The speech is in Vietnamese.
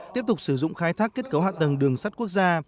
tiếp tục sử dụng khai thác kết cấu hạ tầng đường sắt quốc gia